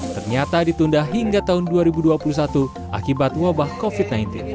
ternyata ditunda hingga tahun dua ribu dua puluh satu akibat wabah covid sembilan belas